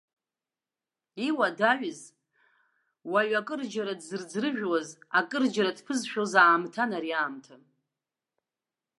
Иуадаҩыз, уаҩ акырџьара дзыӡрыжәуаз, акырџьара дԥызшәоз аамҭан ари аамҭа.